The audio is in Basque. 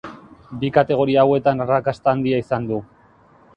Bi kategoria hauetan arrakasta handia izan du.